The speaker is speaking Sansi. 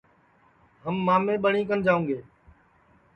ہم مامے ٻٹؔی کر جاؤں گے